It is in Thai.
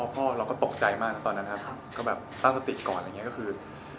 พ่อเราก็ตกใจมากตอนนั้นครับก็ตั้งสติกก่อน